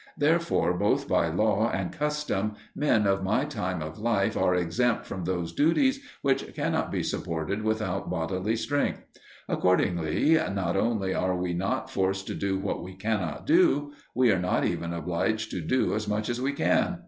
Therefore, both by law and custom, men of my time of life are exempt from those duties which cannot be supported without bodily strength. Accordingly not only are we not forced to do what we cannot do; we are not even obliged to do as much as we can.